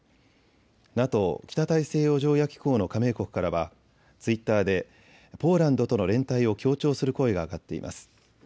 ＮＡＴＯ・北大西洋条約機構の加盟国からはツイッターでポーランドとの連帯を強調する声が上がっています。